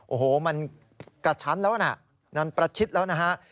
โอ้โหมันกระชั้นแล้วนะมันประชิดแล้วนะฮะ